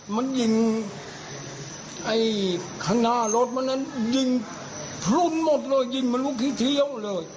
มันยิงข้างหน้ารถมันนั้นยิงพรุนหมดเลยยิงมารุขี้เที้ยวเลย